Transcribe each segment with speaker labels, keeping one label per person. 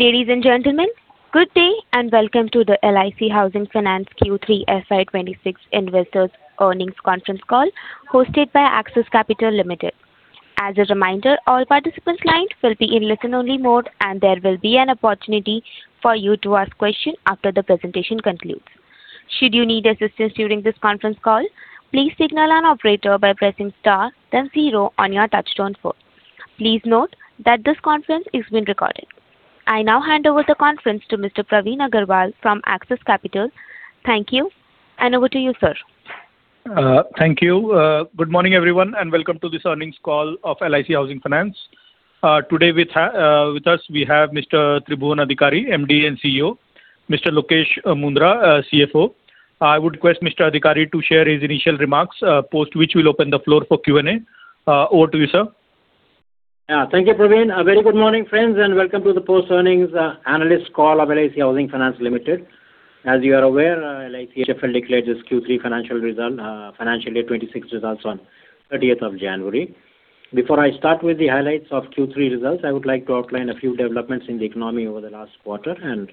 Speaker 1: Ladies and gentlemen, good day and welcome to the LIC Housing Finance Q3 FY 2026 investors earnings conference call hosted by Axis Capital Limited. As a reminder, all participants' lines will be in listen-only mode, and there will be an opportunity for you to ask questions after the presentation concludes. Should you need assistance during this conference call, please signal an operator by pressing star, then zero on your touch-tone phone. Please note that this conference is being recorded. I now hand over the conference to Mr. Praveen Agarwal from Axis Capital. Thank you, and over to you, sir.
Speaker 2: Thank you. Good morning, everyone, and welcome to this earnings call of LIC Housing Finance. Today with us, we have Mr. Tribhuwan Adhikari, MD and CEO, Mr. Lokesh Mundhra, CFO. I would request Mr. Adhikari to share his initial remarks, post which we'll open the floor for Q&A. Over to you, sir.
Speaker 3: Yeah, thank you, Praveen. A very good morning, friends, and welcome to the post-earnings analyst call of LIC Housing Finance Limited. As you are aware, LIC HFL declared its Q3 financial year 2026 results on the 30th of January. Before I start with the highlights of Q3 results, I would like to outline a few developments in the economy over the last quarter and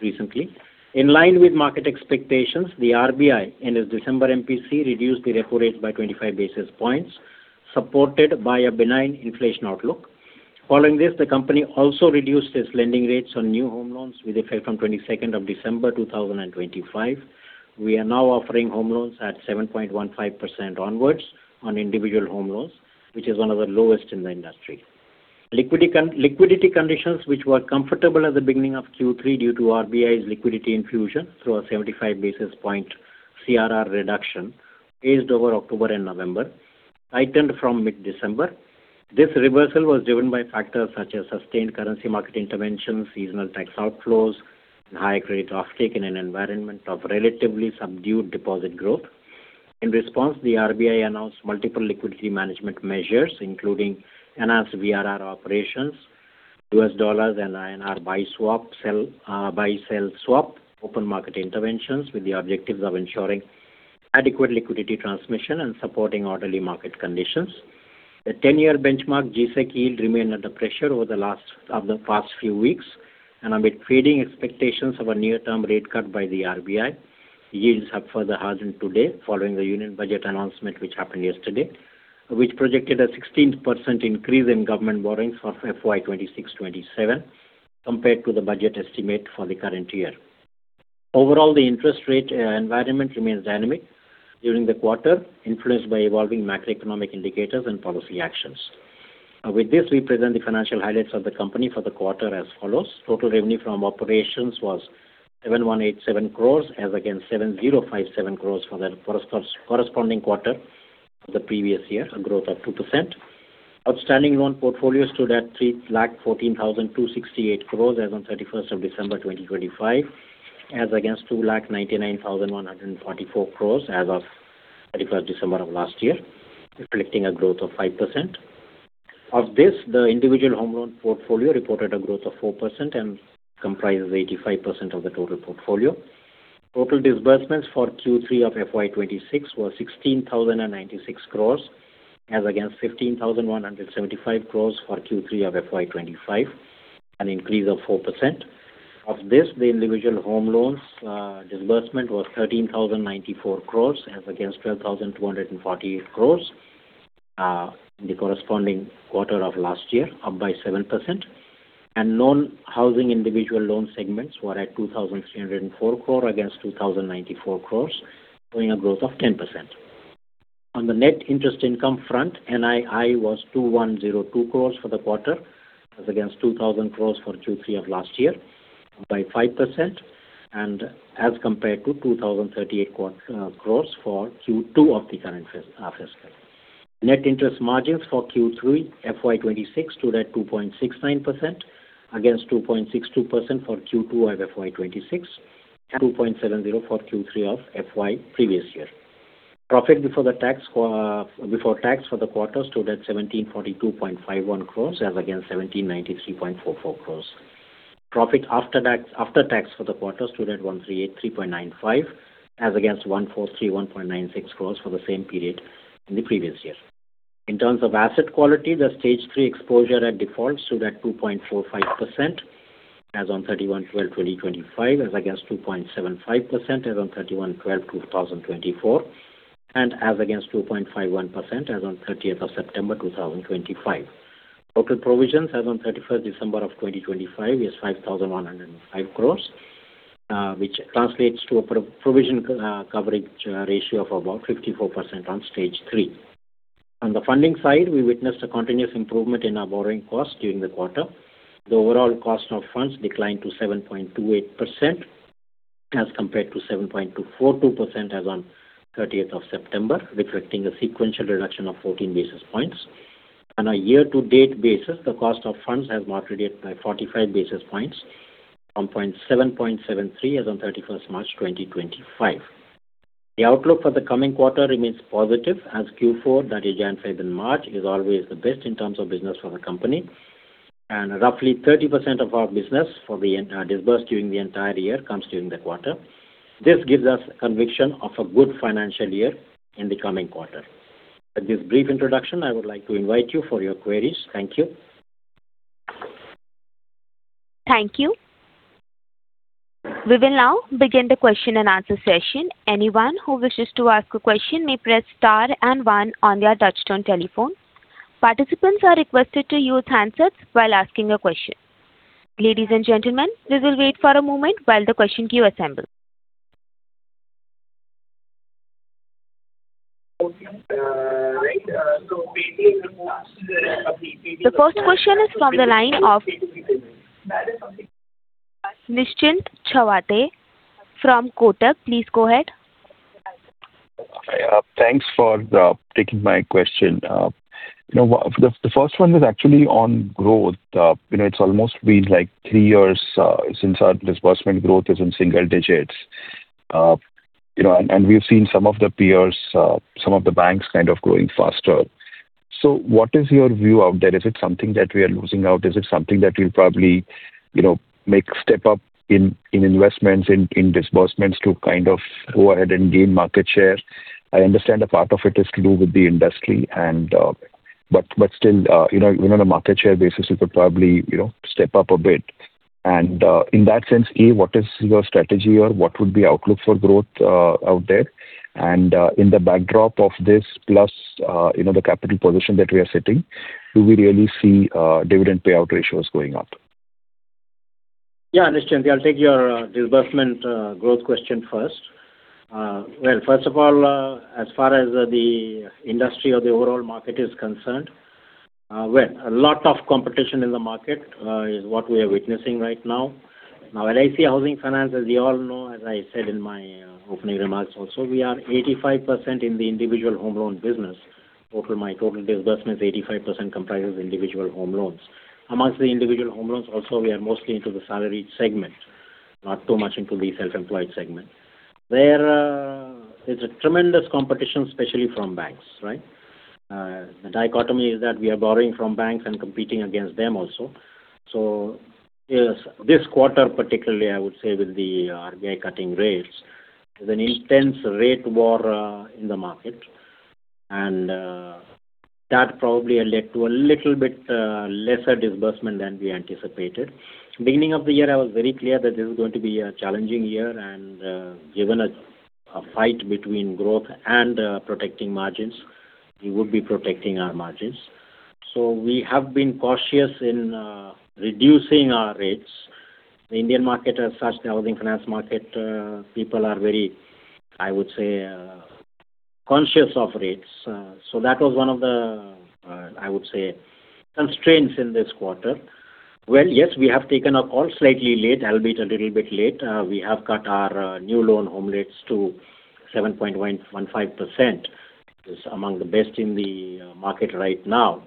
Speaker 3: recently. In line with market expectations, the RBI in its December MPC reduced the repo rates by 25 basis points, supported by a benign inflation outlook. Following this, the company also reduced its lending rates on new home loans with effect from the 22nd of December 2025. We are now offering home loans at 7.15% onwards on individual home loans, which is one of the lowest in the industry. Liquidity conditions, which were comfortable at the beginning of Q3 due to RBI's liquidity infusion through a 75-basis point CRR reduction phased over October and November, tightened from mid-December. This reversal was driven by factors such as sustained currency market interventions, seasonal tax outflows, and high credit uptake in an environment of relatively subdued deposit growth. In response, the RBI announced multiple liquidity management measures, including enhanced VRR operations, U.S. dollars and INR buy-sell swap open market interventions with the objectives of ensuring adequate liquidity transmission and supporting orderly market conditions. The 10-year benchmark G-Sec yield remained under pressure over the past few weeks, and amid fading expectations of a near-term rate cut by the RBI, yields have further hardened today following the Union Budget announcement, which happened yesterday, which projected a 16% increase in government borrowings for FY 2026-2027 compared to the budget estimate for the current year. Overall, the interest rate environment remains dynamic during the quarter, influenced by evolving macroeconomic indicators and policy actions. With this, we present the financial highlights of the company for the quarter as follows. Total revenue from operations was 7,187 crore, as against 7,057 crore for the corresponding quarter of the previous year, a growth of 2%. Outstanding loan portfolio stood at 314,268 crore as of the 31st of December 2025, as against 299,144 crore as of the 31st of December of last year, reflecting a growth of 5%. Of this, the individual home loan portfolio reported a growth of 4% and comprises 85% of the total portfolio. Total disbursements for Q3 of FY 2026 were 16,096 crore, as against 15,175 crore for Q3 of FY 2025, an increase of 4%. Of this, the individual home loans disbursement was 13,094 crores, as against 12,248 crores in the corresponding quarter of last year, up by 7%. And non-housing individual loan segments were at 2,304 crores against 2,094 crores, showing a growth of 10%. On the net interest income front, NII was 2,102 crores for the quarter, as against 2,000 crores for Q3 of last year, up by 5%, and as compared to 2,038 crores for Q2 of the current fiscal. Net interest margins for Q3 FY 2026 stood at 2.69%, against 2.62% for Q2 of FY 2026, and 2.70% for Q3 of FY previous year. Profit before tax for the quarter stood at 1,742.51 crores, as against 1,793.44 crores. Profit after tax for the quarter stood at 1,383.95 crores, as against 1,431.96 crores for the same period in the previous year. In terms of asset quality, the Stage 3 exposure at default stood at 2.45%, as on 31/12/2025, as against 2.75%, as on 31/12/2024, and as against 2.51%, as on the 30th of September 2025. Total provisions, as on the 31st of December of 2025, is 5,105 crore, which translates to a provision coverage ratio of about 54% on Stage 3. On the funding side, we witnessed a continuous improvement in our borrowing costs during the quarter. The overall cost of funds declined to 7.28%, as compared to 7.24%, as on the 30th of September, reflecting a sequential reduction of 14 basis points. On a year-to-date basis, the cost of funds has moderated by 45 basis points, from 7.73% as on 31st March 2025. The outlook for the coming quarter remains positive, as Q4, that is, January through March, is always the best in terms of business for the company, and roughly 30% of our business disbursed during the entire year comes during the quarter. This gives us conviction of a good financial year in the coming quarter. With this brief introduction, I would like to invite you for your queries. Thank you.
Speaker 1: Thank you. We will now begin the question-and-answer session. Anyone who wishes to ask a question may press star and one on their touch-tone telephone. Participants are requested to use handsets while asking a question. Ladies and gentlemen, we will wait for a moment while the question queue assembles. The first question is from the line of Nischint Chawathe from Kotak. Please go ahead.
Speaker 4: Thanks for taking my question. The first one is actually on growth. It's almost been like three years since our disbursement growth is in single digits, and we've seen some of the peers, some of the banks, kind of growing faster. So what is your view out there? Is it something that we are losing out? Is it something that we'll probably step up in investments in disbursements to kind of go ahead and gain market share? I understand a part of it is to do with the industry, but still, even on a market share basis, we could probably step up a bit. And in that sense, A, what is your strategy or what would be the outlook for growth out there? And in the backdrop of this, plus the capital position that we are sitting, do we really see dividend payout ratios going up?
Speaker 3: Yeah, Nischint, I'll take your disbursement growth question first. Well, first of all, as far as the industry or the overall market is concerned, well, a lot of competition in the market is what we are witnessing right now. Now, LIC Housing Finance, as you all know, as I said in my opening remarks also, we are 85% in the individual home loan business. My total disbursement is 85% comprises individual home loans. Amongst the individual home loans, also, we are mostly into the salaried segment, not too much into the self-employed segment. There is tremendous competition, especially from banks, right? The dichotomy is that we are borrowing from banks and competing against them also. So this quarter particularly, I would say, with the RBI cutting rates, there's an intense rate war in the market, and that probably led to a little bit lesser disbursement than we anticipated. Beginning of the year, I was very clear that this is going to be a challenging year, and given a fight between growth and protecting margins, we would be protecting our margins. So we have been cautious in reducing our rates. The Indian market as such, the housing finance market, people are very, I would say, conscious of rates. So that was one of the, I would say, constraints in this quarter. Well, yes, we have taken a call slightly late, albeit a little bit late. We have cut our new home loan rates to 7.15%. It's among the best in the market right now.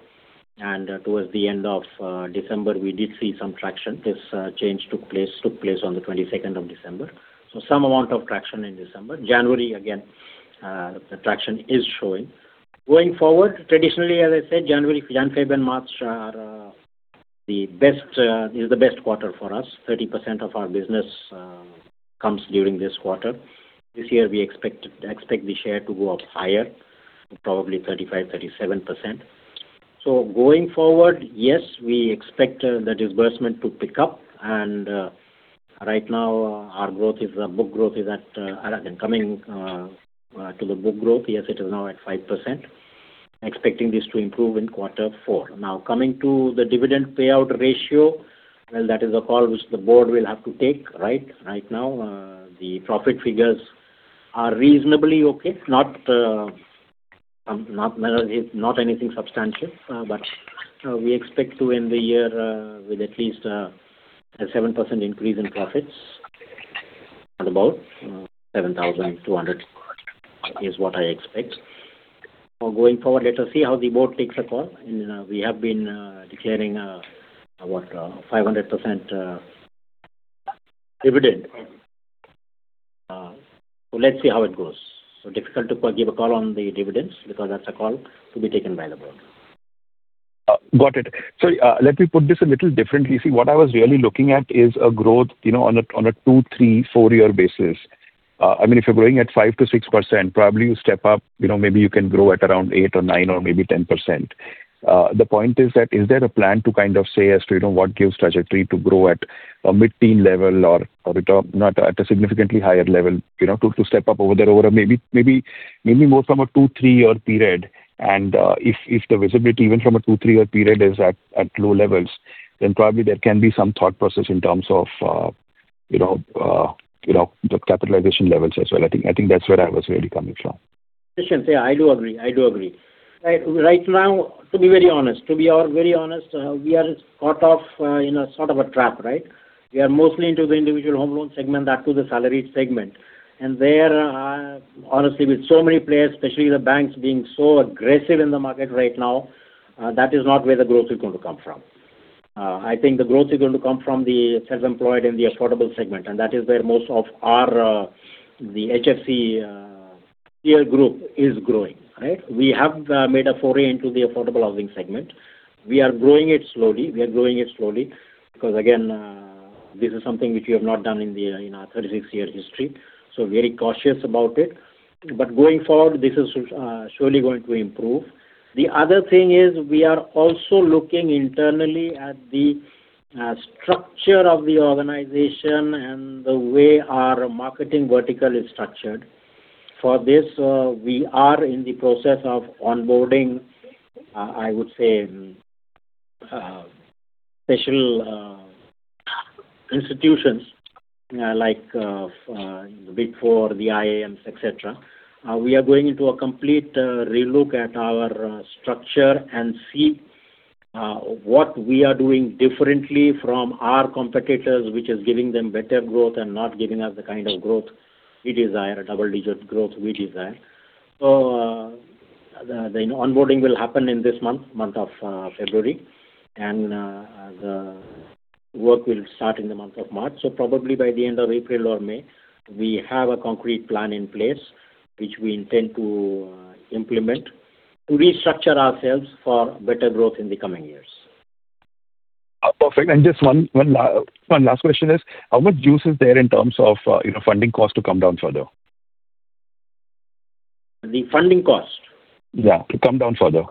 Speaker 3: And towards the end of December, we did see some traction. This change took place on the 22nd of December, so some amount of traction in December. January, again, the traction is showing. Going forward, traditionally, as I said, January, February, and March are the best is the best quarter for us. 30% of our business comes during this quarter. This year, we expect the share to go up higher, probably 35%-37%. So going forward, yes, we expect the disbursement to pick up. And right now, our growth is the book growth is at coming to the book growth. Yes, it is now at 5%, expecting this to improve in quarter four. Now, coming to the dividend payout ratio, well, that is a call which the board will have to take, right? Right now, the profit figures are reasonably okay, not anything substantial, but we expect to end the year with at least a 7% increase in profits, about 7,200 is what I expect. Going forward, let us see how the board takes a call. We have been declaring what, 500% dividend. So let's see how it goes. So difficult to give a call on the dividends because that's a call to be taken by the board.
Speaker 4: Got it. So let me put this a little differently. See, what I was really looking at is a growth on a two, three, four-year basis. I mean, if you're growing at 5%-6%, probably you step up, maybe you can grow at around 8% or 9% or maybe 10%. The point is that is there a plan to kind of say as to what gives trajectory to grow at a mid-teen level or not at a significantly higher level, to step up over there over maybe more from a two, three-year period? And if the visibility, even from a two, three-year period, is at low levels, then probably there can be some thought process in terms of the capitalization levels as well. I think that's where I was really coming from.
Speaker 3: Nischint, yeah, I do agree. I do agree. Right now, to be very honest, to be very honest, we are caught in a sort of a trap, right? We are mostly into the individual home loan segment, not to the salaried segment. And there, honestly, with so many players, especially the banks being so aggressive in the market right now, that is not where the growth is going to come from. I think the growth is going to come from the self-employed and the affordable segment, and that is where most of the HFC peer group is growing, right? We have made a foray into the affordable housing segment. We are growing it slowly. We are growing it slowly because, again, this is something which we have not done in our 36-year history, so very cautious about it. But going forward, this is surely going to improve. The other thing is we are also looking internally at the structure of the organization and the way our marketing vertical is structured. For this, we are in the process of onboarding, I would say, special institutions like the Big Four, the IIMs, etc. We are going into a complete relook at our structure and see what we are doing differently from our competitors, which is giving them better growth and not giving us the kind of growth we desire, double-digit growth we desire. So the onboarding will happen in this month, month of February, and the work will start in the month of March. So probably by the end of April or May, we have a concrete plan in place which we intend to implement to restructure ourselves for better growth in the coming years.
Speaker 4: Perfect. Just one last question is, how much juice is there in terms of funding cost to come down further?
Speaker 3: The funding cost?
Speaker 4: Yeah, to come down further.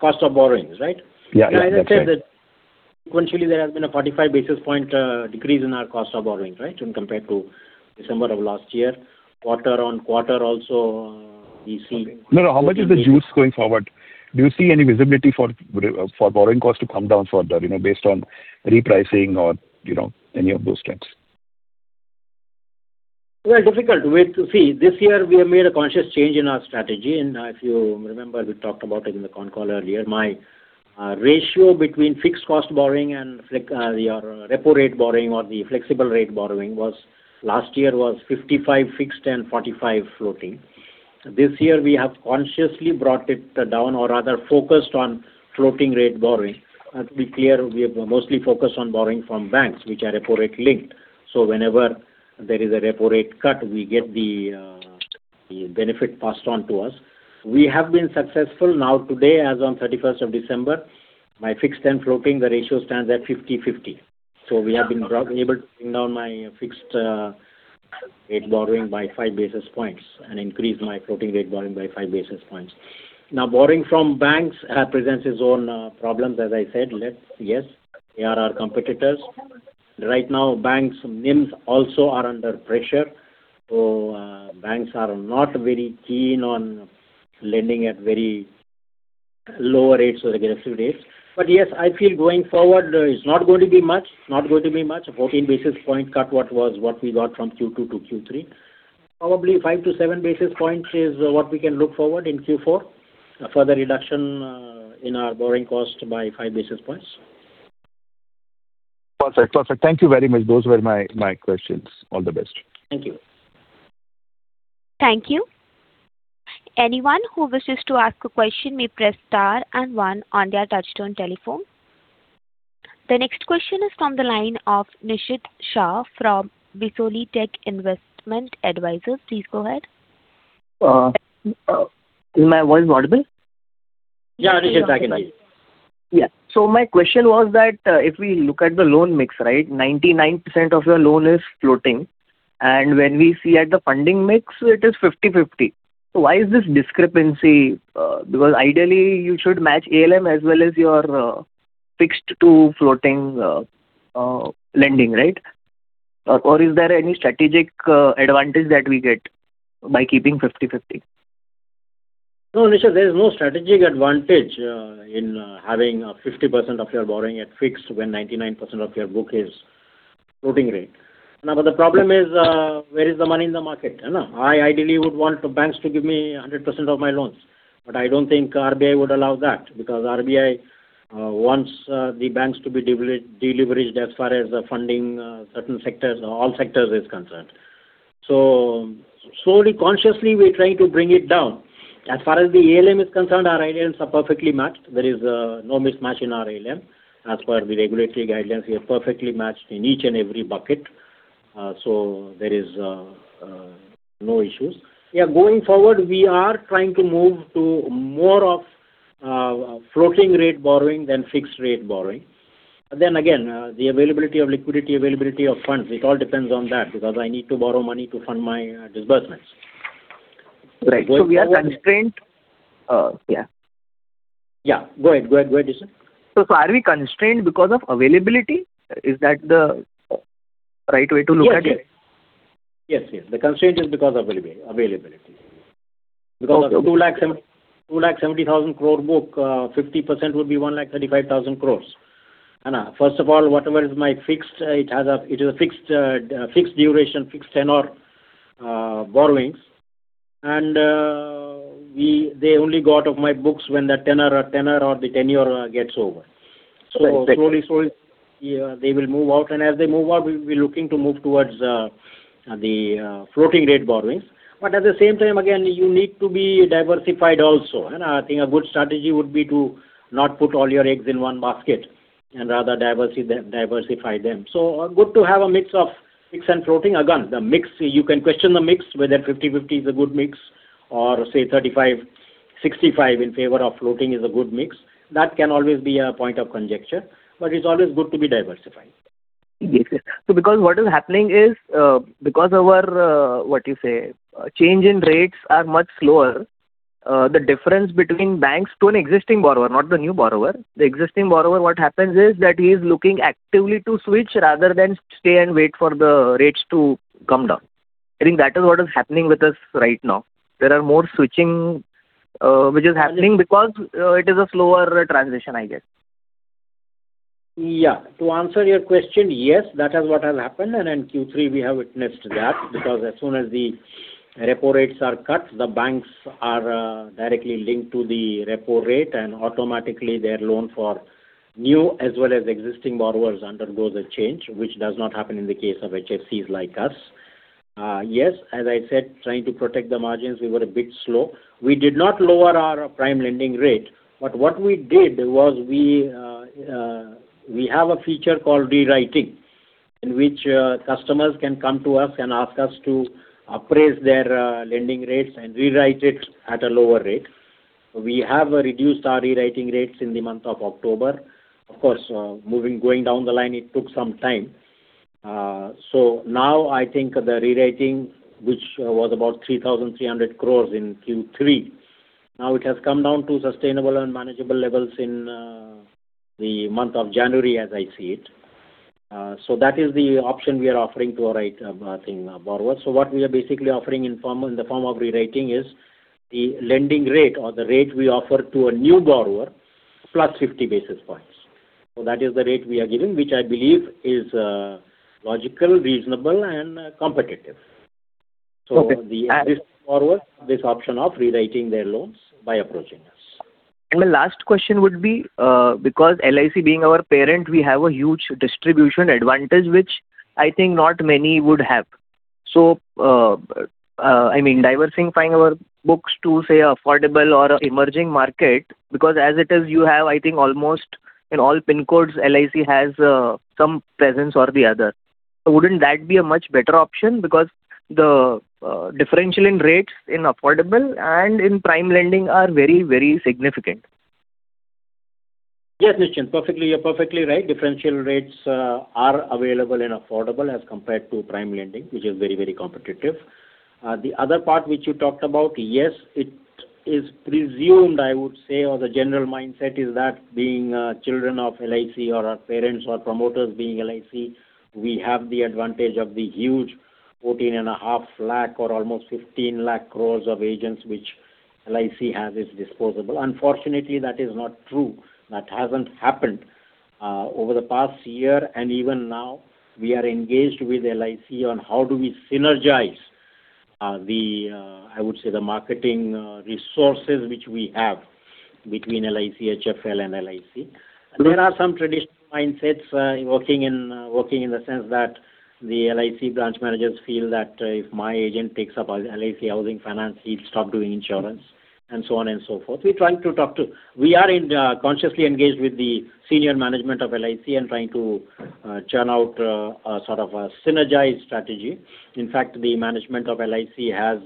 Speaker 3: Cost of borrowing, right?
Speaker 4: Yeah, yeah.
Speaker 3: As I said, sequentially, there has been a 45 basis points decrease in our cost of borrowing, right, when compared to December of last year. Quarter-on-quarter, also, we see.
Speaker 4: No, no. How much is the juice going forward? Do you see any visibility for borrowing cost to come down further based on repricing or any of those steps?
Speaker 3: Well, difficult. See, this year, we have made a conscious change in our strategy. And if you remember, we talked about it in the phone call earlier. My ratio between fixed-cost borrowing and your repo-rate borrowing or the flexible-rate borrowing last year was 55 fixed and 45 floating. This year, we have consciously brought it down or rather focused on floating-rate borrowing. To be clear, we have mostly focused on borrowing from banks, which are repo-rate linked. So whenever there is a repo-rate cut, we get the benefit passed on to us. We have been successful now. Today, as on 31st of December, my fixed and floating, the ratio stands at 50/50. So we have been able to bring down my fixed-rate borrowing by 5 basis points and increase my floating-rate borrowing by 5 basis points. Now, borrowing from banks presents its own problems, as I said. Yes, they are our competitors. Right now, banks' names also are under pressure. So banks are not very keen on lending at very lower rates or aggressive rates. But yes, I feel going forward, it's not going to be much, not going to be much, a 14-basis point cut what we got from Q2 to Q3. Probably 5-7 basis points is what we can look forward in Q4, a further reduction in our borrowing cost by 5 basis points.
Speaker 4: Perfect, perfect. Thank you very much. Those were my questions. All the best.
Speaker 3: Thank you.
Speaker 1: Thank you. Anyone who wishes to ask a question may press star and one on their touchtone telephone. The next question is from the line of Nishit Shah from ViSolitech Investment Advisor. Please go ahead.
Speaker 5: Is my voice audible?
Speaker 3: Yeah, Nischint, I can.
Speaker 5: Yes. So my question was that if we look at the loan mix, right, 99% of your loan is floating. And when we see at the funding mix, it is 50/50. So why is this discrepancy? Because ideally, you should match ALM as well as your fixed to floating lending, right? Or is there any strategic advantage that we get by keeping 50/50?
Speaker 3: No, Nischint, there is no strategic advantage in having 50% of your borrowing at fixed when 99% of your book is floating rate. Now, but the problem is, where is the money in the market, isn't it? I ideally would want banks to give me 100% of my loans, but I don't think RBI would allow that because RBI wants the banks to be deleveraged as far as funding certain sectors, all sectors is concerned. So slowly, consciously, we're trying to bring it down. As far as the ALM is concerned, our guidelines are perfectly matched. There is no mismatch in our ALM as per the regulatory guidelines. We are perfectly matched in each and every bucket, so there is no issues. Yeah, going forward, we are trying to move to more of floating-rate borrowing than fixed-rate borrowing. Then again, the availability of liquidity, availability of funds, it all depends on that because I need to borrow money to fund my disbursements.
Speaker 5: Right. So we are constrained? Yeah.
Speaker 3: Yeah. Go ahead, go ahead, go ahead, Nischint.
Speaker 5: Are we constrained because of availability? Is that the right way to look at it?
Speaker 3: Yes, yes, yes. The constraint is because of availability. Because of 270,000 crore book, 50% would be 135,000 crore, isn't it? First of all, whatever is my fixed, it is a fixed duration, fixed tenor borrowings. They only got off my books when that tenor or the tenure gets over. So slowly, slowly, they will move out. As they move out, we'll be looking to move towards the floating-rate borrowings. At the same time, again, you need to be diversified also, isn't it? I think a good strategy would be to not put all your eggs in one basket and rather diversify them. Good to have a mix of fixed and floating. Again, you can question the mix whether 50/50 is a good mix or, say, 35/65 in favor of floating is a good mix. That can always be a point of conjecture, but it's always good to be diversified.
Speaker 5: Yes, yes. So because what is happening is because of our, what you say, change in rates are much slower, the difference between banks to an existing borrower, not the new borrower. The existing borrower, what happens is that he is looking actively to switch rather than stay and wait for the rates to come down. I think that is what is happening with us right now. There are more switching, which is happening because it is a slower transition, I guess.
Speaker 3: Yeah. To answer your question, yes, that is what has happened. And in Q3, we have witnessed that because as soon as the repo rates are cut, the banks are directly linked to the repo rate, and automatically, their loan for new as well as existing borrowers undergoes a change, which does not happen in the case of HFCs like us. Yes, as I said, trying to protect the margins, we were a bit slow. We did not lower our prime lending rate, but what we did was we have a feature called rewriting in which customers can come to us and ask us to appraise their lending rates and rewrite it at a lower rate. We have reduced our rewriting rates in the month of October. Of course, going down the line, it took some time. So now, I think the rewriting, which was about 3,300 crore in Q3, now it has come down to sustainable and manageable levels in the month of January, as I see it. So that is the option we are offering to our borrowers. So what we are basically offering in the form of rewriting is the lending rate or the rate we offer to a new borrower +50 basis points. So that is the rate we are giving, which I believe is logical, reasonable, and competitive. So the existing borrowers have this option of rewriting their loans by approaching us.
Speaker 5: And my last question would be, because LIC being our parent, we have a huge distribution advantage, which I think not many would have. So I mean, diversifying our books to, say, an affordable or emerging market because as it is, you have, I think, almost in all PIN codes, LIC has some presence or the other. Wouldn't that be a much better option because the differential in rates in affordable and in prime lending are very, very significant?
Speaker 3: Yes, Nischint, perfectly. You're perfectly right. Differential rates are available and affordable as compared to prime lending, which is very, very competitive. The other part which you talked about, yes, it is presumed, I would say, or the general mindset is that being children of LIC or our parents or promoters being LIC, we have the advantage of the huge 14.5 lakh crores or almost 15 lakh crores of agents which LIC has at its disposal. Unfortunately, that is not true. That hasn't happened over the past year. And even now, we are engaged with LIC on how do we synergize, I would say, the marketing resources which we have between LIC, HFL, and LIC. There are some traditional mindsets working in the sense that the LIC branch managers feel that if my agent takes up LIC Housing Finance, he'll stop doing insurance and so on and so forth. We are consciously engaged with the senior management of LIC and trying to churn out sort of a synergized strategy. In fact, the management of LIC has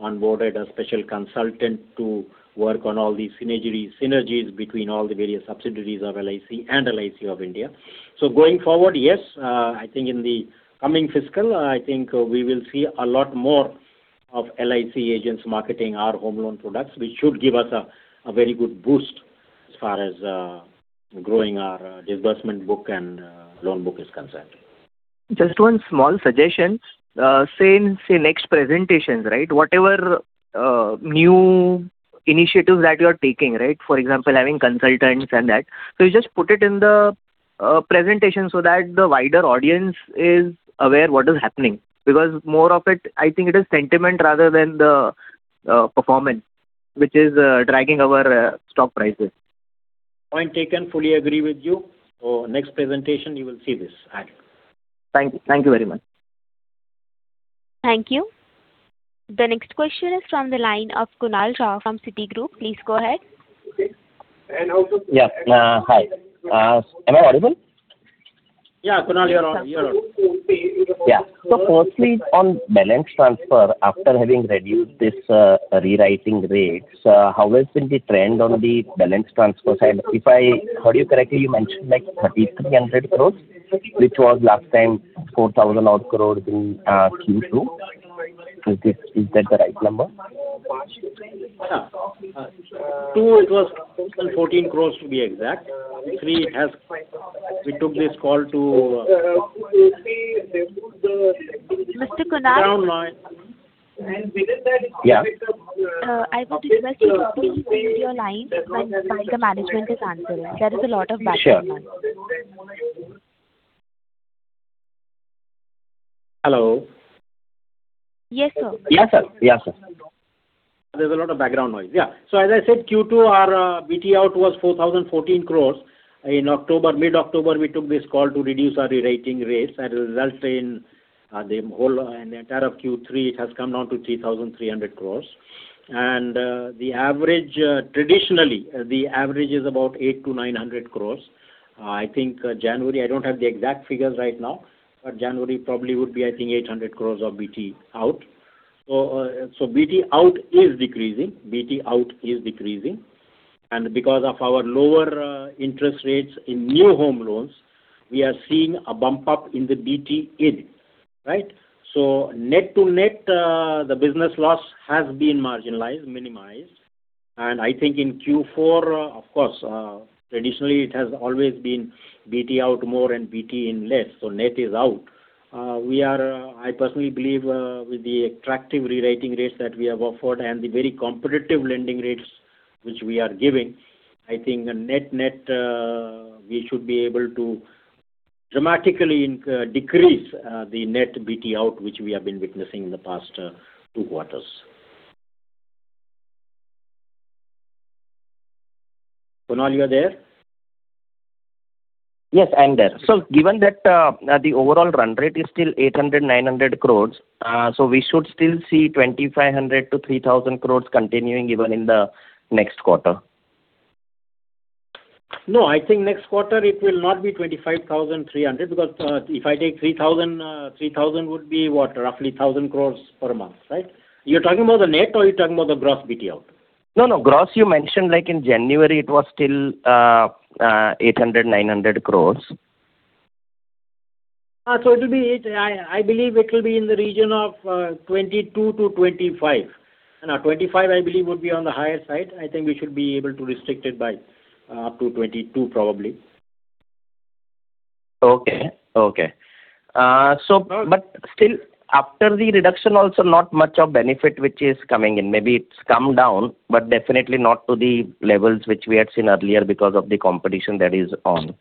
Speaker 3: onboarded a special consultant to work on all these synergies between all the various subsidiaries of LIC and LIC of India. So going forward, yes, I think in the coming fiscal, I think we will see a lot more of LIC agents marketing our home loan products, which should give us a very good boost as far as growing our disbursement book and loan book is concerned.
Speaker 5: Just one small suggestion. Say next presentations, right? Whatever new initiatives that you are taking, right? For example, having consultants and that. So you just put it in the presentation so that the wider audience is aware what is happening because more of it, I think it is sentiment rather than the performance, which is dragging our stock prices.
Speaker 3: Point taken. Fully agree with you. So next presentation, you will see this.
Speaker 5: Thank you. Thank you very much.
Speaker 1: Thank you. The next question is from the line of Kunal Shah from Citigroup. Please go ahead.
Speaker 6: Yeah. Hi. Am I audible?
Speaker 3: Yeah, Kunal, you're audible.
Speaker 6: Yeah. So firstly, on balance transfer, after having reduced this repricing rate, how has been the trend on the balance transfer side? If I heard you correctly, you mentioned 3,300 crore, which was last time 4,000-odd crore in Q2. Is that the right number?
Speaker 3: It was 14 crore to be exact. Three, we took this call to.
Speaker 1: Mr. Kunal?
Speaker 6: Yeah?
Speaker 1: I would request you to please leave your line while the management is answering. There is a lot of background noise.
Speaker 3: Hello?
Speaker 1: Yes, sir.
Speaker 3: There's a lot of background noise. Yeah. So as I said, Q2, our BT out was 4,014 crores. In mid-October, we took this call to reduce our rewriting rates. As a result, in the entire of Q3, it has come down to 3,300 crores. And traditionally, the average is about 800 crores-900 crores. I think January I don't have the exact figures right now, but January probably would be, I think, 800 crores of BT out. So BT out is decreasing. BT out is decreasing. And because of our lower interest rates in new home loans, we are seeing a bump up in the BT in, right? So net to net, the business loss has been marginalized, minimized. And I think in Q4, of course, traditionally, it has always been BT out more and BT in less. So net is out. I personally believe, with the attractive rewriting rates that we have offered and the very competitive lending rates which we are giving, I think net to net, we should be able to dramatically decrease the net BT out, which we have been witnessing in the past two quarters. Kunal, you're there?
Speaker 6: Yes, I'm there. So given that the overall run rate is still 800 crore-900 crore, so we should still see 2,500 crore-3,000 crore continuing even in the next quarter?
Speaker 3: No, I think next quarter, it will not be 2,500 crore-3,000 because if I take 3,000, 3,000 would be what, roughly 1,000 crore per month, right? You're talking about the net or you're talking about the gross BT out?
Speaker 6: No, no. Gross, you mentioned in January, it was still 800 crores-900 crores.
Speaker 3: So it will be, I believe, in the region of 22-25. 25, I believe, would be on the higher side. I think we should be able to restrict it by up to 22, probably.
Speaker 6: Okay, okay. But still, after the reduction, also not much of benefit which is coming in. Maybe it's come down, but definitely not to the levels which we had seen earlier because of the competition that is on.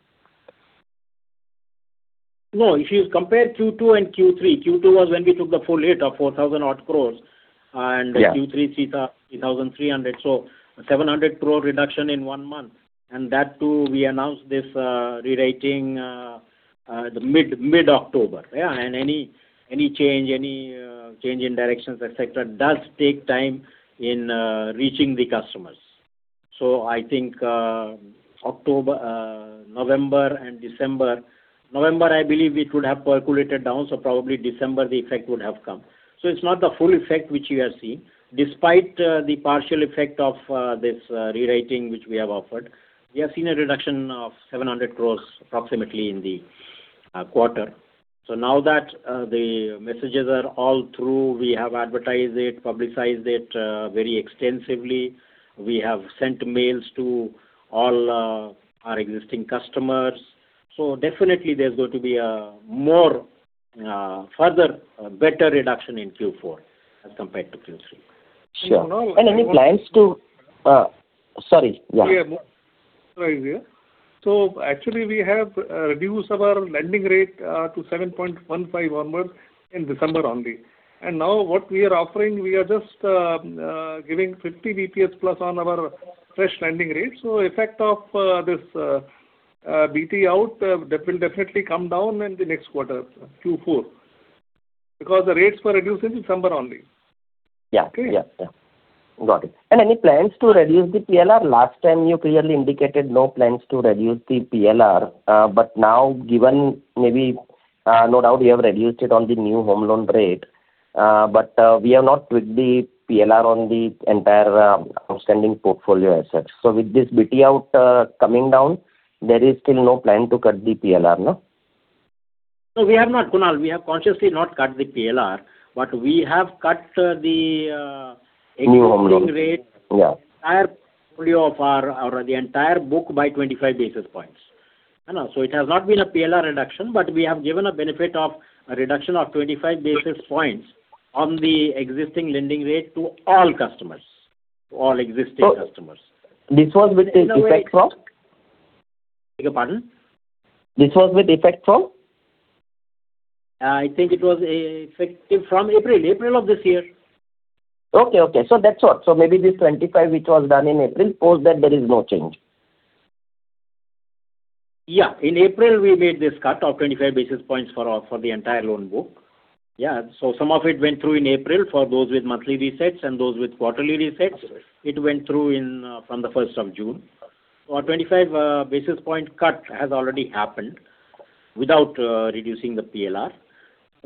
Speaker 3: No, if you compare Q2 and Q3, Q2 was when we took the full hit of 4,000-odd crore and Q3, 3,300 crore. So 700 crore reduction in one month. And that too, we announced this rewriting mid-October. And any change, any change in directions, etc., does take time in reaching the customers. So I think November and December November, I believe, it would have percolated down. So probably December, the effect would have come. So it's not the full effect which you are seeing. Despite the partial effect of this rewriting which we have offered, we have seen a reduction of 700 crore approximately in the quarter. So now that the messages are all through, we have advertised it, publicized it very extensively. We have sent mails to all our existing customers. So definitely, there's going to be a further, better reduction in Q4 as compared to Q3.
Speaker 6: And any plans to, sorry, yeah.
Speaker 7: Yeah. So actually, we have reduced our lending rate to 7.15% onward in December only. And now what we are offering, we are just giving 50 bps+ on our fresh lending rate. So effect of this BT out will definitely come down in the next quarter, Q4, because the rates were reduced in December only.
Speaker 6: Yeah, yeah, yeah. Got it. And any plans to reduce the PLR? Last time, you clearly indicated no plans to reduce the PLR. But now, given maybe no doubt you have reduced it on the new home loan rate, but we have not tweaked the PLR on the entire outstanding portfolio assets. So with this BT out coming down, there is still no plan to cut the PLR, no?
Speaker 3: No, we have not, Kunal. We have consciously not cut the PLR, but we have cut the lending rate.
Speaker 6: New home loan.
Speaker 3: The entire portfolio of our entire book by 25 basis points. So it has not been a PLR reduction, but we have given a benefit of a reduction of 25 basis points on the existing lending rate to all customers, to all existing customers.
Speaker 6: This was with effect from?
Speaker 3: Take a pardon?
Speaker 6: This was with effect from?
Speaker 3: I think it was effective from April, April of this year.
Speaker 6: Okay, okay. So that's what. So maybe this 25, which was done in April, post that, there is no change?
Speaker 3: Yeah. In April, we made this cut of 25 basis points for the entire loan book. Yeah. So some of it went through in April for those with monthly resets and those with quarterly resets. It went through from the 1st of June. So our 25 basis point cut has already happened without reducing the PLR.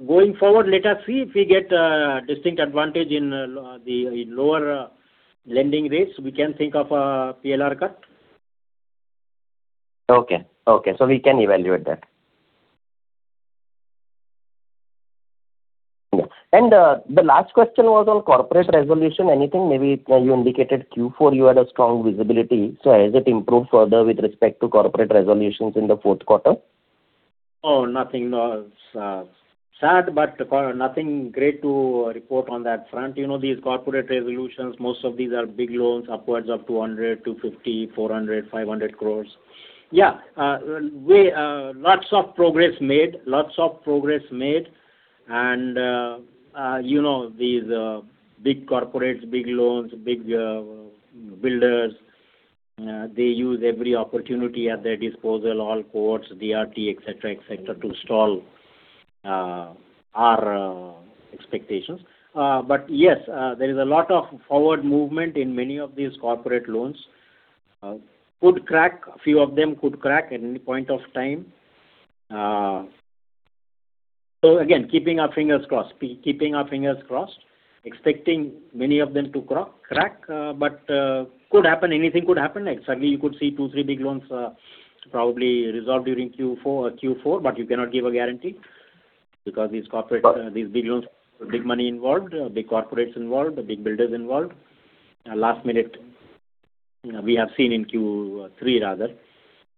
Speaker 3: Going forward, let us see if we get a distinct advantage in lower lending rates. We can think of a PLR cut.
Speaker 6: Okay, okay. So we can evaluate that. Yeah. And the last question was on corporate resolution. Anything? Maybe you indicated Q4, you had a strong visibility. So has it improved further with respect to corporate resolutions in the fourth quarter?
Speaker 3: Oh, nothing. No, it's sad, but nothing great to report on that front. These corporate resolutions, most of these are big loans, upwards of 200 crore, 250 crore, 400 crore, 500 crore. Yeah. Lots of progress made. Lots of progress made. And these big corporates, big loans, big builders, they use every opportunity at their disposal, all quotes, DRT, etc., etc., to stall our expectations. But yes, there is a lot of forward movement in many of these corporate loans. A few of them could crack at any point of time. So again, keeping our fingers crossed, keeping our fingers crossed, expecting many of them to crack, but could happen. Anything could happen. Suddenly, you could see two to three big loans probably resolved during Q4, but you cannot give a guarantee because these big loans, big money involved, big corporates involved, big builders involved. Last minute, we have seen in Q3, rather,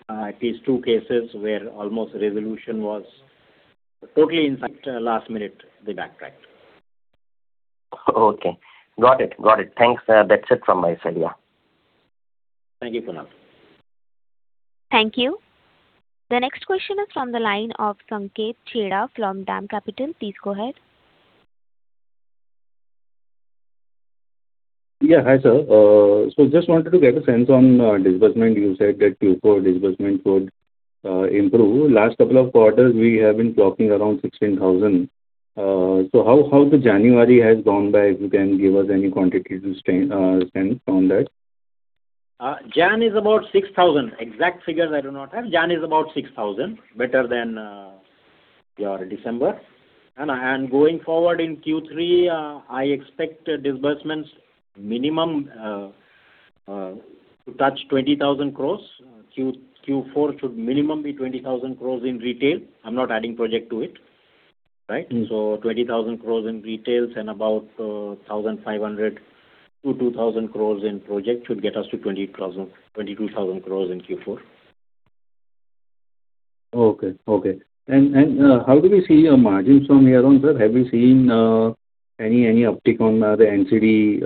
Speaker 3: at least two cases where almost resolution was totally in sight. Last minute, they backtracked.
Speaker 6: Okay. Got it. Got it. Thanks. That's it from my side, yeah.
Speaker 3: Thank you, Kunal.
Speaker 1: Thank you. The next question is from the line of Sanket Chheda from DAM Capital. Please go ahead.
Speaker 8: Yeah. Hi, sir. So just wanted to get a sense on disbursement. You said that Q4 disbursement would improve. Last couple of quarters, we have been clocking around 16,000. So how the January has gone by, if you can give us any quantity to stand on that?
Speaker 3: January is about 6,000 crores. Exact figures I do not have. January is about 6,000 crores, better than your December. And going forward in Q3, I expect disbursements minimum to touch 20,000 crores. Q4 should minimum be 20,000 crores in retail. I'm not adding project to it, right? So 20,000 crores in retail and about 1,500 crores-2,000 crores in project should get us to 22,000 crores in Q4.
Speaker 8: Okay, okay. How do we see your margins from here on, sir? Have we seen any uptick on the NCD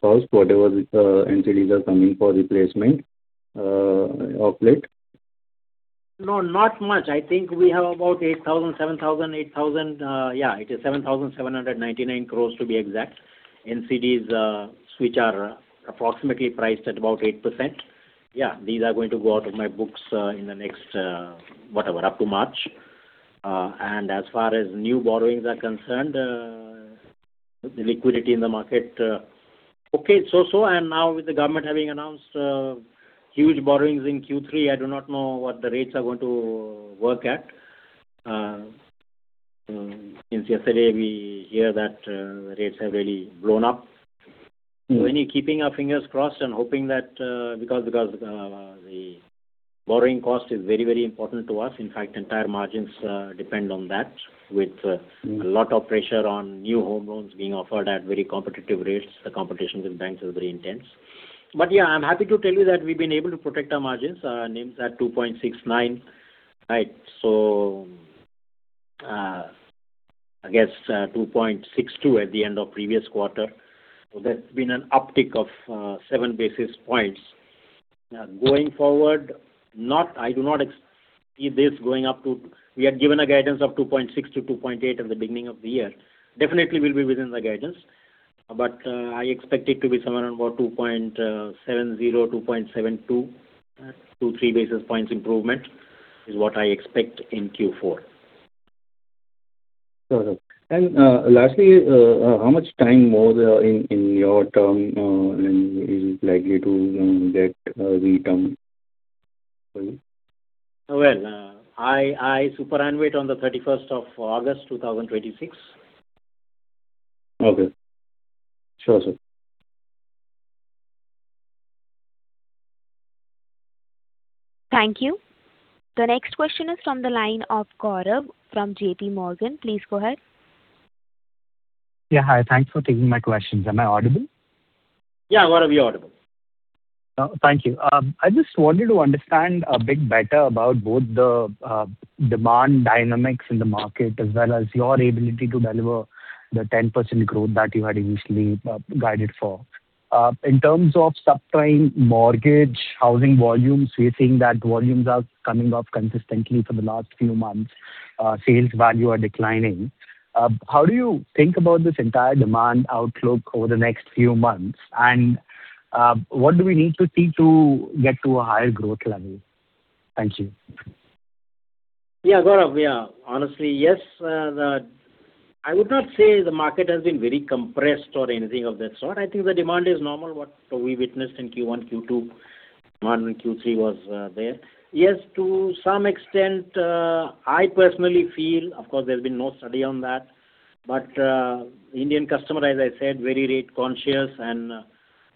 Speaker 8: cost, whatever NCDs are coming for replacement outlet?
Speaker 3: No, not much. I think we have about 8,000 crores, 7,000 crores, 8,000 crores. Yeah, it is 7,799 crores to be exact. NCDs, which are approximately priced at about 8%. Yeah, these are going to go out of my books in the next whatever, up to March. And as far as new borrowings are concerned, the liquidity in the market, okay, so-so. And now with the government having announced huge borrowings in Q3, I do not know what the rates are going to work at. Since yesterday, we hear that the rates have really blown up. So any keeping our fingers crossed and hoping that because the borrowing cost is very, very important to us. In fact, entire margins depend on that with a lot of pressure on new home loans being offered at very competitive rates. The competition with banks is very intense. Yeah, I'm happy to tell you that we've been able to protect our margins. Our NIM at 2.69, right? So I guess 2.62 at the end of previous quarter. So there's been an uptick of 7 basis points. Going forward, I do not see this going up to we had given a guidance of 2.6-2.8 at the beginning of the year. Definitely, we'll be within the guidance. But I expect it to be somewhere about 2.70, 2.72, 2-3 basis points improvement is what I expect in Q4.
Speaker 8: Got it. Lastly, how much time more in your term is likely to get return for you?
Speaker 3: Well, I superannuate on the 31st of August, 2026.
Speaker 8: Okay. Sure, sir.
Speaker 1: Thank you. The next question is from the line of Saurabh from JPMorgan. Please go ahead.
Speaker 9: Yeah, hi. Thanks for taking my questions. Am I audible?
Speaker 3: Yeah, Saurabh you are audible.
Speaker 9: Thank you. I just wanted to understand a bit better about both the demand dynamics in the market as well as your ability to deliver the 10% growth that you had initially guided for. In terms of subprime mortgage housing volumes, we're seeing that volumes are coming off consistently for the last few months. Sales value are declining. How do you think about this entire demand outlook over the next few months? And what do we need to see to get to a higher growth level? Thank you.
Speaker 3: Yeah, Saurabh, yeah. Honestly, yes. I would not say the market has been very compressed or anything of that sort. I think the demand is normal, what we witnessed in Q1, Q2. Demand in Q3 was there. Yes, to some extent, I personally feel of course, there's been no study on that. But Indian customer, as I said, very rate conscious and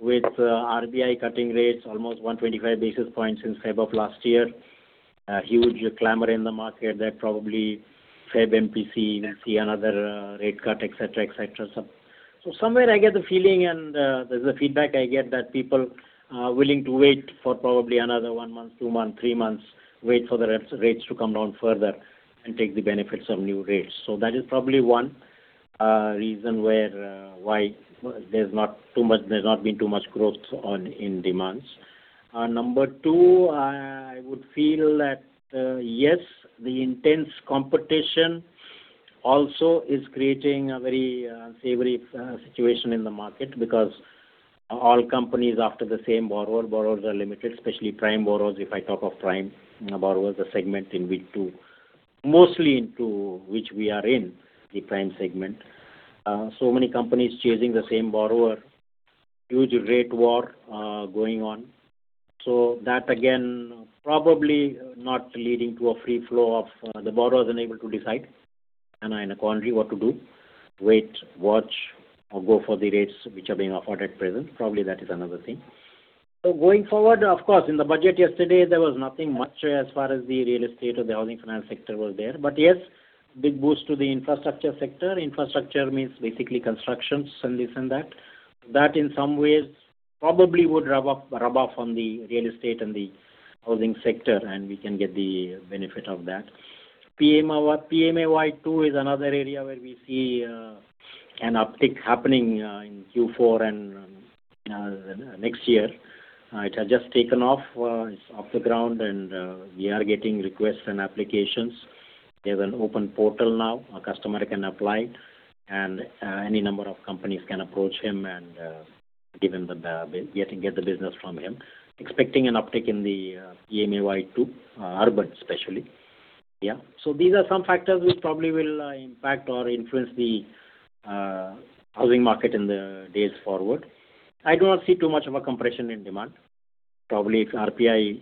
Speaker 3: with RBI cutting rates almost 125 basis points since February of last year. Huge clamor in the market that probably February MPC will see another rate cut, etc., etc. So somewhere, I get the feeling and there's the feedback I get that people are willing to wait for probably another one month, two months, three months, wait for the rates to come down further and take the benefits of new rates. So that is probably one reason why there's not been too much growth in demands. Number two, I would feel that yes, the intense competition also is creating a very unfavorable situation in the market because all companies after the same borrower, borrowers are limited, especially prime borrowers. If I talk of prime borrowers, the segment in which we are mostly in, the prime segment. So many companies chasing the same borrower, huge rate war going on. So that, again, probably not leading to a free flow of the borrowers unable to decide in a quandary what to do: wait, watch, or go for the rates which are being offered at present. Probably that is another thing. So going forward, of course, in the budget yesterday, there was nothing much as far as the real estate or the housing finance sector was there. But yes, big boost to the infrastructure sector. Infrastructure means basically constructions and this and that. That, in some ways, probably would rub off on the real estate and the housing sector, and we can get the benefit of that. PMAY 2.0 is another area where we see an uptick happening in Q4 and next year. It has just taken off. It's off the ground, and we are getting requests and applications. There's an open portal now. A customer can apply, and any number of companies can approach him and get the business from him, expecting an uptick in the PMAY 2.0, urban especially. Yeah. So these are some factors which probably will impact or influence the housing market in the days forward. I do not see too much of a compression in demand. Probably if RBI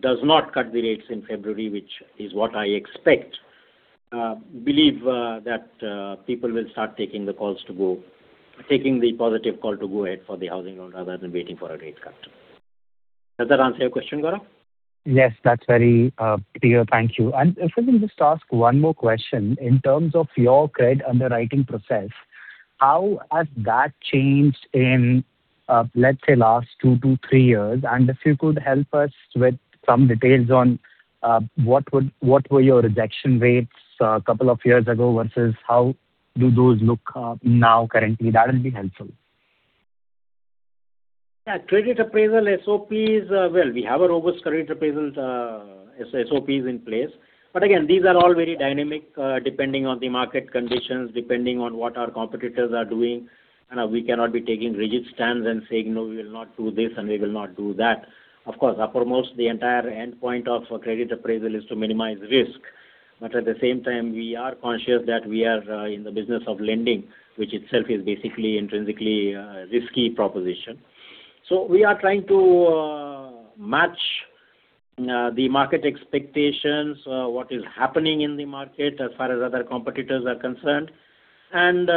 Speaker 3: does not cut the rates in February, which is what I expect, I believe that people will start taking the calls to go taking the positive call to go ahead for the housing loan rather than waiting for a rate cut. Does that answer your question, Saurabh?
Speaker 9: Yes, that's very clear. Thank you. And if I can just ask one more question. In terms of your credit underwriting process, how has that changed in, let's say, last two to three years? And if you could help us with some details on what were your rejection rates a couple of years ago versus how do those look now currently, that would be helpful.
Speaker 3: Yeah. Credit appraisal SOPs. Well, we have our robust credit appraisal SOPs in place. But again, these are all very dynamic depending on the market conditions, depending on what our competitors are doing. We cannot be taking rigid stands and saying, "No, we will not do this, and we will not do that." Of course, uppermost, the entire endpoint of a credit appraisal is to minimize risk. But at the same time, we are conscious that we are in the business of lending, which itself is basically intrinsically a risky proposition. So we are trying to match the market expectations, what is happening in the market as far as other competitors are concerned, and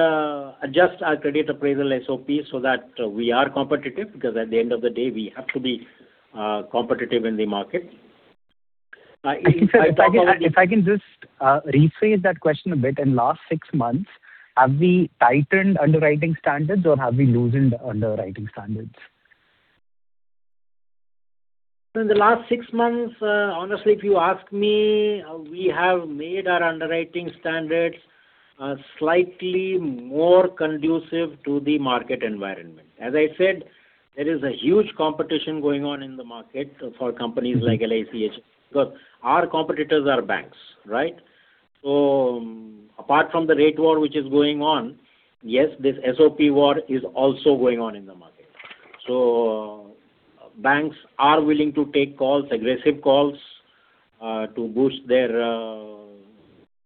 Speaker 3: adjust our credit appraisal SOPs so that we are competitive because at the end of the day, we have to be competitive in the market.
Speaker 9: If I can just rephrase that question a bit. In the last six months, have we tightened underwriting standards, or have we loosened underwriting standards?
Speaker 3: In the last six months, honestly, if you ask me, we have made our underwriting standards slightly more conducive to the market environment. As I said, there is a huge competition going on in the market for companies like LIC HF because our competitors are banks, right? So apart from the rate war which is going on, yes, this SOP war is also going on in the market. So banks are willing to take calls, aggressive calls to boost their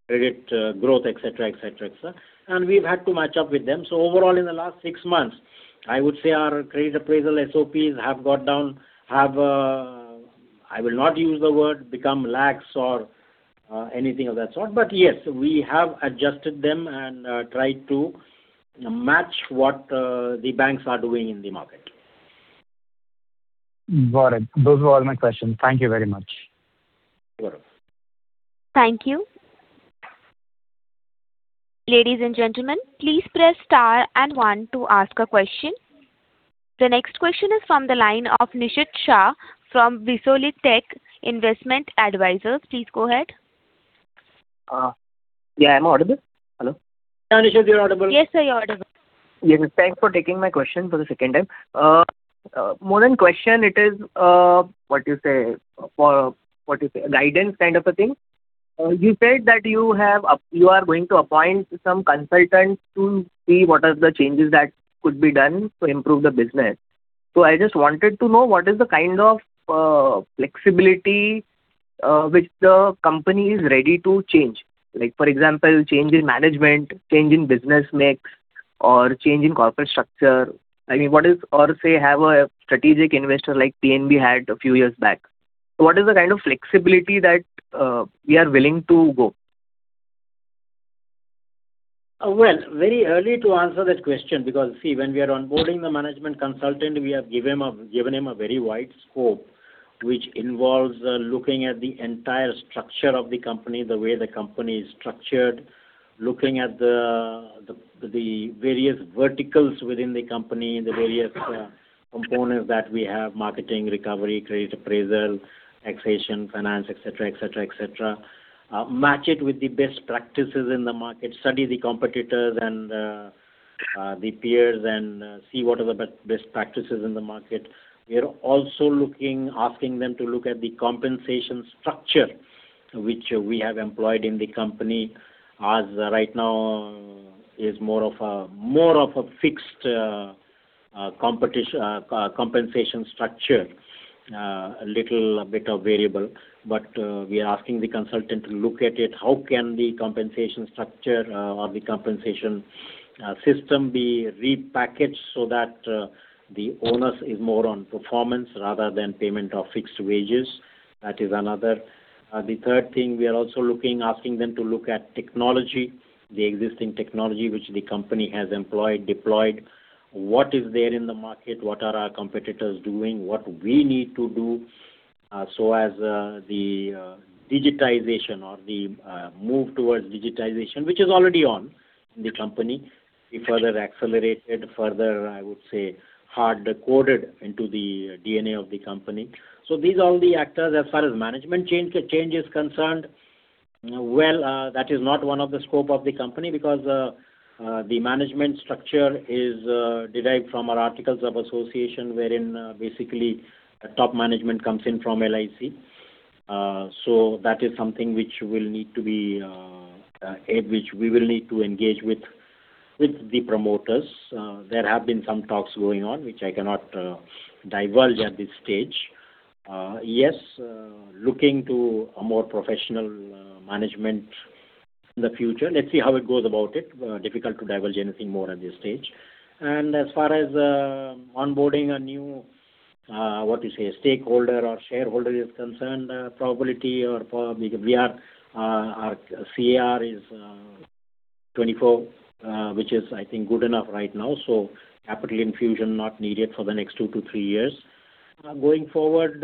Speaker 3: credit growth, etc., etc., etc. And we've had to match up with them. So overall, in the last 6 months, I would say our credit appraisal SOPs have gone down. I will not use the word become lax or anything of that sort. But yes, we have adjusted them and tried to match what the banks are doing in the market.
Speaker 9: Got it. Those were all my questions. Thank you very much.
Speaker 3: Thank you.
Speaker 1: Ladies and gentlemen, please press star and one to ask a question. The next question is from the line of Nishit Shah from ViSolitech Investment Advisor. Please go ahead.
Speaker 5: Yeah, I'm audible. Hello?
Speaker 3: Yeah, Nishit, you're audible.
Speaker 1: Yes, sir, you're audible.
Speaker 5: Yes, sir. Thanks for taking my question for the second time. More than question, it is what you say what you say, guidance kind of a thing. You said that you are going to appoint some consultants to see what are the changes that could be done to improve the business. So I just wanted to know what is the kind of flexibility which the company is ready to change, for example, change in management, change in business mix, or change in corporate structure. I mean, what is or say have a strategic investor like PNB had a few years back? What is the kind of flexibility that we are willing to go?
Speaker 3: Well, very early to answer that question because see, when we are onboarding the management consultant, we have given him a very wide scope which involves looking at the entire structure of the company, the way the company is structured, looking at the various verticals within the company, the various components that we have: marketing, recovery, credit appraisal, taxation, finance, etc., etc., etc. Match it with the best practices in the market, study the competitors and the peers, and see what are the best practices in the market. We are also asking them to look at the compensation structure which we have employed in the company as right now is more of a fixed compensation structure, a little bit of variable. But we are asking the consultant to look at it. How can the compensation structure or the compensation system be repackaged so that the onus is more on performance rather than payment of fixed wages? That is another. The third thing, we are also asking them to look at technology, the existing technology which the company has employed, deployed. What is there in the market? What are our competitors doing? What we need to do so as the digitization or the move towards digitization, which is already on in the company, be further accelerated, further, I would say, hard-coded into the DNA of the company? So these are all the actors. As far as management change is concerned, well, that is not one of the scope of the company because the management structure is derived from our articles of association wherein basically top management comes in from LIC. So that is something which we will need to engage with the promoters. There have been some talks going on which I cannot divulge at this stage. Yes, looking to a more professional management in the future. Let's see how it goes about it. Difficult to divulge anything more at this stage. As far as onboarding a new, what do you say, stakeholder or shareholder is concerned, probability or probably because our CAR is 24, which is, I think, good enough right now. So capital infusion not needed for the next two to three years. Going forward,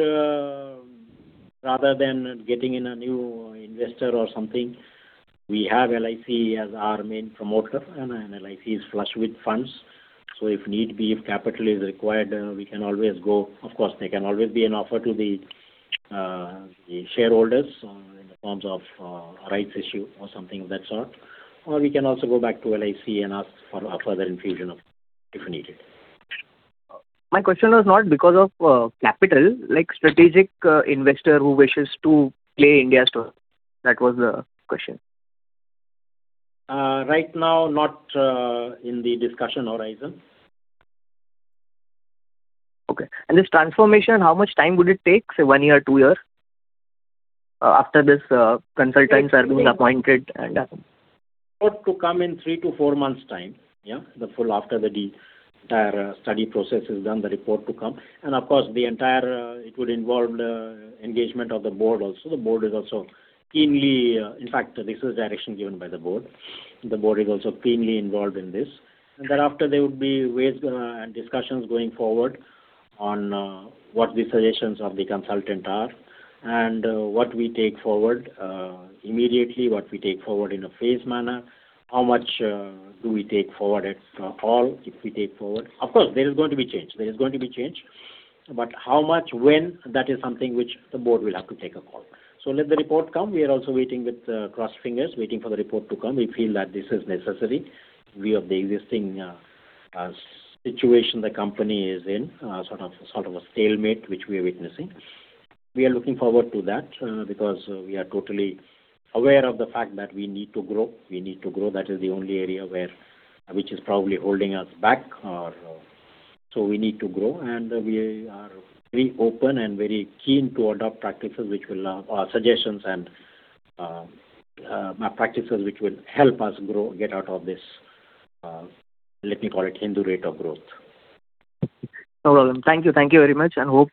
Speaker 3: rather than getting in a new investor or something, we have LIC as our main promoter, and LIC is flush with funds. So if need be, if capital is required, we can always go, of course. There can always be an offer to the shareholders in the form of a rights issue or something of that sort. Or we can also go back to LIC and ask for a further infusion if needed.
Speaker 5: My question was not because of capital, like strategic investor who wishes to play India's story. That was the question.
Speaker 3: Right now, not in the discussion horizon.
Speaker 5: Okay. This transformation, how much time would it take, say, one year, two years, after this consultant serving is appointed and?
Speaker 3: Report to come in three to four months' time. Yeah, the full after the entire study process is done, the report to come. Of course, it would involve the engagement of the board also. The board is also keenly. In fact, this is a direction given by the board. The board is also keenly involved in this. Thereafter, there would be discussions going forward on what the suggestions of the consultant are and what we take forward immediately, what we take forward in a phased manner, how much do we take forward at all if we take forward. Of course, there is going to be change. There is going to be change. But how much, when, that is something which the board will have to take a call. Let the report come. We are also waiting with crossed fingers, waiting for the report to come. We feel that this is necessary in view of the existing situation the company is in, sort of a stalemate which we are witnessing. We are looking forward to that because we are totally aware of the fact that we need to grow. We need to grow. That is the only area which is probably holding us back. So we need to grow. And we are very open and very keen to adopt practices which will suggestions and practices which will help us grow, get out of this, let me call it, Hindu Rate of Growth.
Speaker 5: No problem. Thank you. Thank you very much. Hope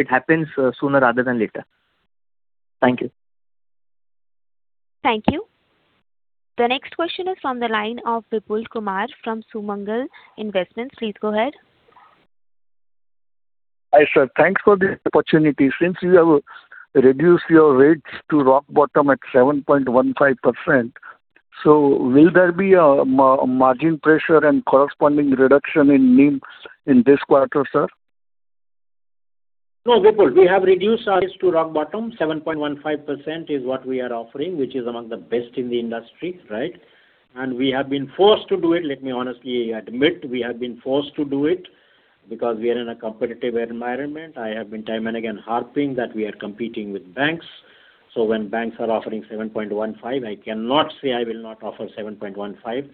Speaker 5: it happens sooner rather than later. Thank you.
Speaker 1: Thank you. The next question is from the line of Vipul Kumar from Sumangal Investments. Please go ahead.
Speaker 10: Hi, sir. Thanks for the opportunity. Since you have reduced your rates to rock bottom at 7.15%, so will there be a margin pressure and corresponding reduction in NIM in this quarter, sir?
Speaker 3: No, Vipul. We have reduced rates to rock bottom. 7.15% is what we are offering, which is among the best in the industry, right? And we have been forced to do it. Let me honestly admit, we have been forced to do it because we are in a competitive environment. I have been time and again harping that we are competing with banks. So when banks are offering 7.15%, I cannot say I will not offer 7.15%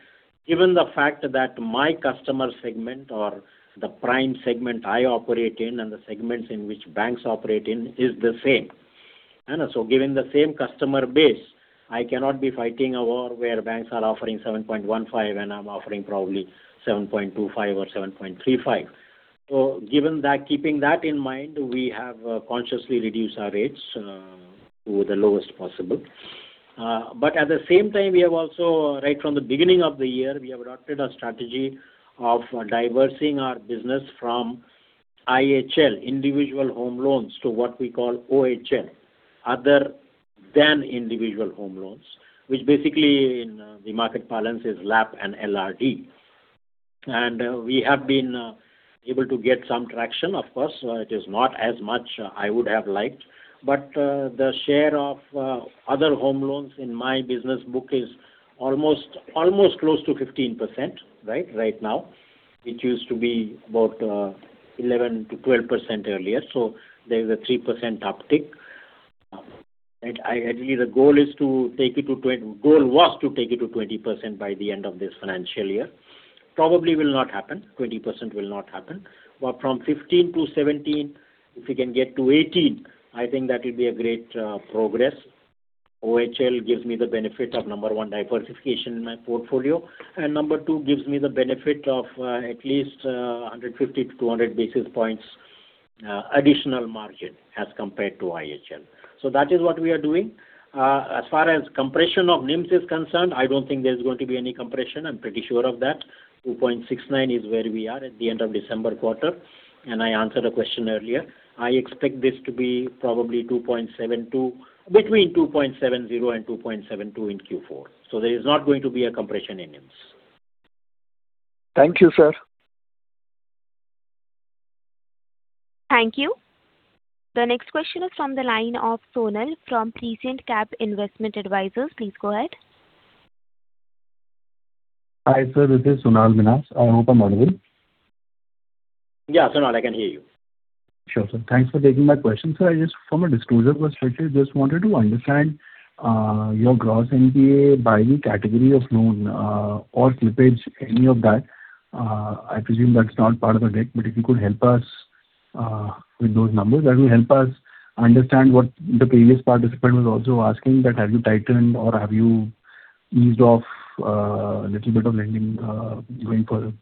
Speaker 3: given the fact that my customer segment or the prime segment I operate in and the segments in which banks operate in is the same. So given the same customer base, I cannot be fighting a war where banks are offering 7.15% and I'm offering probably 7.25 or 7.35. So keeping that in mind, we have consciously reduced our rates to the lowest possible. But at the same time, we have also right from the beginning of the year adopted a strategy of diversifying our business from IHL, individual home loans, to what we call OHL, other-than-individual home loans, which basically in the market parlance is LAP and LRD. And we have been able to get some traction, of course. It is not as much as I would have liked. But the share of other home loans in my business book is almost close to 15%, right, right now, which used to be about 11%-12% earlier. So there is a 3% uptick. And ideally, the goal is to take it to goal was to take it to 20% by the end of this financial year. Probably will not happen. 20% will not happen. From 15 to 17, if we can get to 18, I think that will be a great progress. OHL gives me the benefit of, number one, diversification in my portfolio. Number two, gives me the benefit of at least 150-200 basis points additional margin as compared to IHL. That is what we are doing. As far as compression of NIMs is concerned, I don't think there is going to be any compression. I'm pretty sure of that. 2.69 is where we are at the end of December quarter. I answered a question earlier. I expect this to be probably between 2.70 and 2.72 in Q4. There is not going to be a compression in NIMs.
Speaker 10: Thank you, sir.
Speaker 1: Thank you. The next question is from the line of Sonal from Prescient Cap Investment Advisors. Please go ahead.
Speaker 11: Hi, sir. This is Sonal Minhas. I hope I'm audible.
Speaker 3: Yeah, Sonal, I can hear you.
Speaker 11: Sure, sir. Thanks for taking my question, sir. I just, from a disclosure perspective, just wanted to understand your gross NPA by the category of loan or slippage, any of that. I presume that's not part of the deck. But if you could help us with those numbers, that will help us understand what the previous participant was also asking, that have you tightened or have you eased off a little bit of lending going forward?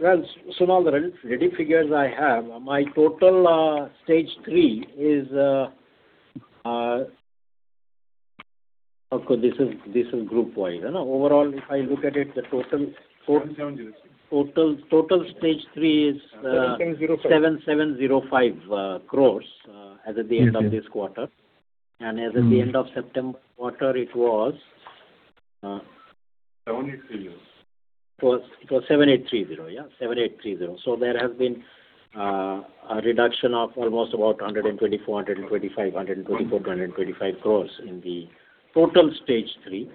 Speaker 3: Well, Sonal, the ready figures I have, my total Stage 3 is, of course, this is group-wise. Overall, if I look at it, the total Stage 3 is.
Speaker 7: 7,705 crore.
Speaker 3: INR 7,705 crore as at the end of this quarter. As at the end of September quarter, it was.
Speaker 7: 7,830 crore.
Speaker 3: It was 7,830 crore. Yeah, 7,830 crore. So there has been a reduction of almost about 124 crore, 125 crore in the total Stage 3.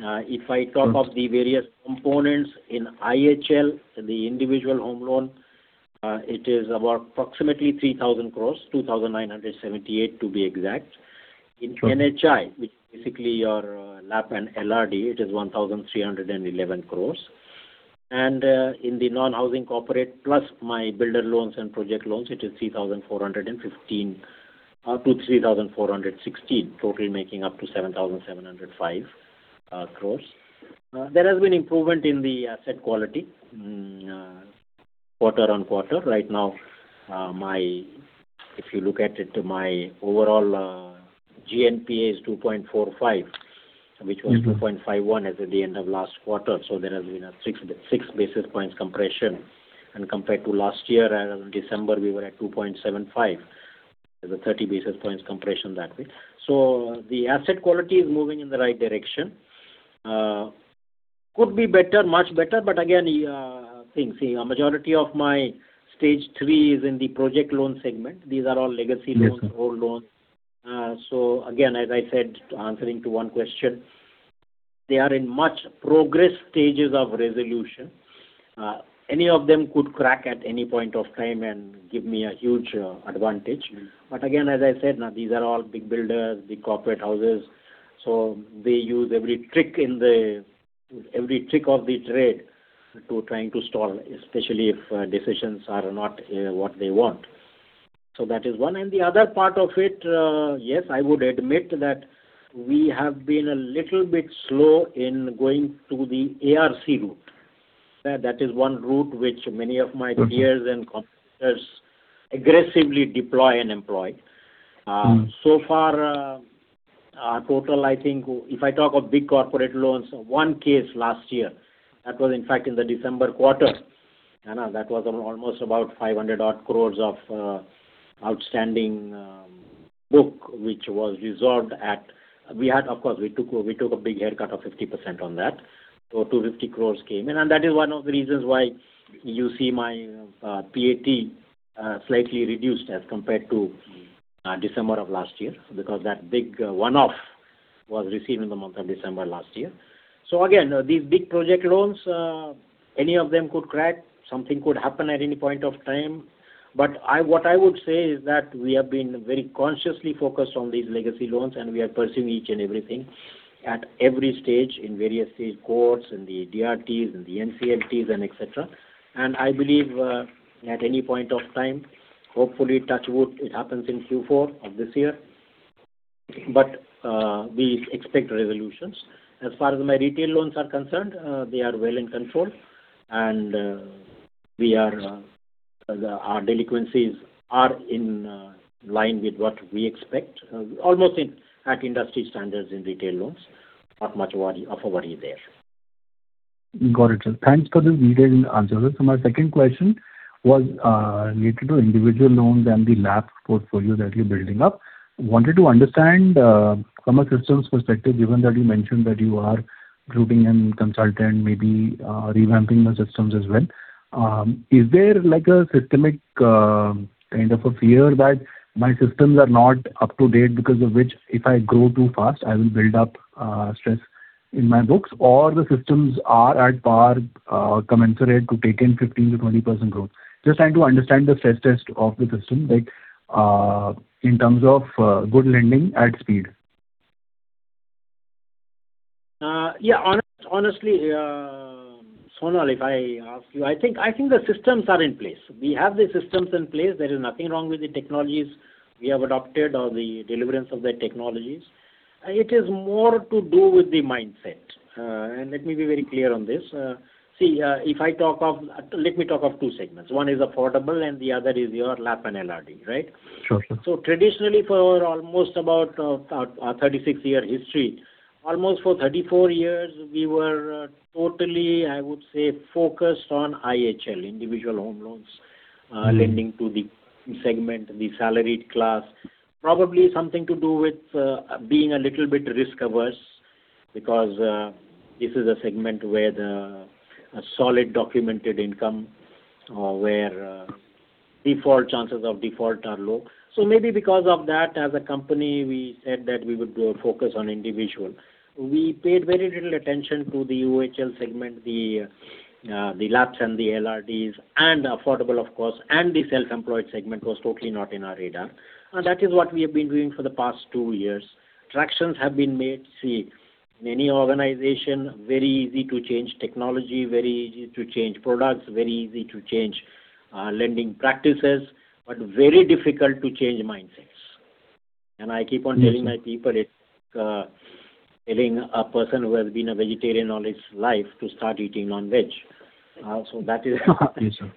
Speaker 3: If I top up the various components in IHL, the individual home loan, it is about approximately 3,000 crore, 2,978 crore to be exact. In NHI, which is basically your LAP and LRD, it is 1,311 crore. And in the non-housing corporate plus my builder loans and project loans, it is 3,415 crore-3,416 crore, total making up to 7,705 crore. There has been improvement in the asset quality quarter-on-quarter. Right now, if you look at it, my overall GNPA is 2.45%, which was 2.51% as at the end of last quarter. So there has been a 6-basis points compression. And compared to last year, in December, we were at 2.75%. There's a 30-basis points compression that way. So the asset quality is moving in the right direction. Could be better, much better. But again, see, a majority of my Stage 3 is in the project loan segment. These are all legacy loans, old loans. So again, as I said, answering to one question, they are in much progress stages of resolution. Any of them could crack at any point of time and give me a huge advantage. But again, as I said, these are all big builders, big corporate houses. So they use every trick of the trade to trying to stall, especially if decisions are not what they want. So that is one. And the other part of it, yes, I would admit that we have been a little bit slow in going to the ARC route. That is one route which many of my peers and competitors aggressively deploy and employ. So far, our total, I think if I talk of big corporate loans, one case last year, that was, in fact, in the December quarter. That was almost about 500-odd crore of outstanding book, which was resolved. Of course, we took a big haircut of 50% on that. So 250 crore came. And that is one of the reasons why you see my PAT slightly reduced as compared to December of last year because that big one-off was received in the month of December last year. So again, these big project loans, any of them could crack. Something could happen at any point of time. But what I would say is that we have been very consciously focused on these legacy loans, and we are pursuing each and everything at every stage in various courts and the DRTs and the NCLTs, and etc. I believe at any point of time, hopefully, touch wood, it happens in Q4 of this year. We expect resolutions. As far as my retail loans are concerned, they are well in control. Our delinquencies are in line with what we expect, almost at industry standards in retail loans. Not much of a worry there.
Speaker 11: Got it, sir. Thanks for the detailed answers. So my second question was related to individual loans and the LAP portfolio that you're building up. Wanted to understand from a systems perspective, given that you mentioned that you are recruiting and consulting, maybe revamping the systems as well, is there a systemic kind of a fear that my systems are not up-to-date because of which if I grow too fast, I will build up stress in my books, or the systems are at par, commensurate to take in 15%-20% growth? Just trying to understand the stress test of the system in terms of good lending at speed.
Speaker 3: Yeah. Honestly, Sonal, if I ask you, I think the systems are in place. We have the systems in place. There is nothing wrong with the technologies we have adopted or the deliverance of the technologies. It is more to do with the mindset. And let me be very clear on this. See, let me talk of two segments. One is affordable, and the other is your LAP and LRD, right?
Speaker 11: Sure, sir.
Speaker 3: So traditionally, for almost about our 36-year history, almost for 34 years, we were totally, I would say, focused on IHL, individual home loans, lending to the segment, the salaried class, probably something to do with being a little bit risk-averse because this is a segment where the solid documented income, where chances of default are low. So maybe because of that, as a company, we said that we would focus on individual. We paid very little attention to the OHL segment, the LAPs and the LRDs, and affordable, of course, and the self-employed segment was totally not in our radar. And that is what we have been doing for the past two years. Tractions have been made. See, in any organization, very easy to change technology, very easy to change products, very easy to change lending practices, but very difficult to change mindsets. I keep on telling my people it's telling a person who has been a vegetarian all his life to start eating non-veg. So that is.
Speaker 11: Yes, sir.